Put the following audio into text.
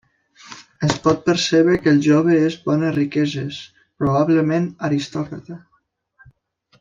Es pot percebre que el jove és bones riqueses; probablement aristòcrata.